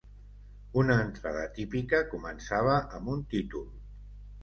Una entrada típica començava amb un títol.